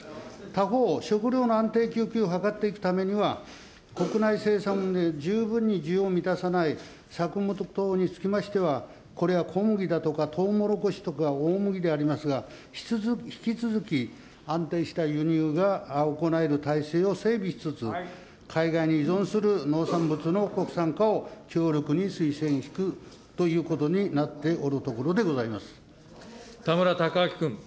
他方、食料の安定供給を図っていくためには、国内生産で十分に需要を満たさない作物等につきましては、これは小麦だとかとうもろこしとか大麦でありますが、引き続き、安定した輸入が行える環境を整備しつつ、海外に依存する農産物の国産化を強力に推進していくというところ田村貴昭君。